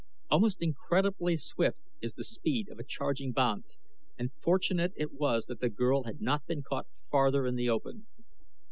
Almost incredibly swift is the speed of a charging banth, and fortunate it was that the girl had not been caught farther in the open.